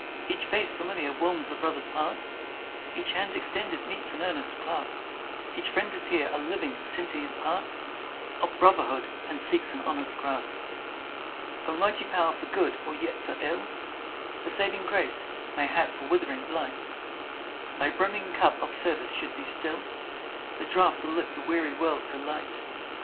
Each face familiar warms the brother's heart; Each hand extended meets an earnest clasp; Each friend is here, a living sentient part Of Brotherhood and seeks an honest grasp! O mighty power for good or yet for ill; For saving grace; mayhap for withering blight! Thy brimming cup of service should be still The draught to lift a weary world to light.